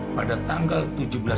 aku baru nggak terserah